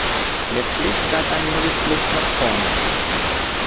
Letztlich bleibt einem nur die Flucht nach vorn.